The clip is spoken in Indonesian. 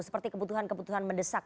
seperti kebutuhan kebutuhan mendesak